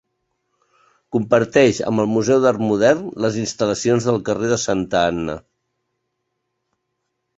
Comparteix, amb el Museu d'Art Modern, les instal·lacions del carrer de Santa Anna.